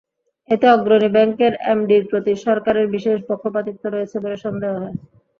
এতে অগ্রণী ব্যাংকের এমডির প্রতি সরকারের বিশেষ পক্ষপাতিত্ব রয়েছে বলে সন্দেহ হয়।